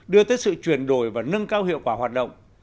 đưa tới sự chuyển đổi và nâng cao hiệu quả hoạt động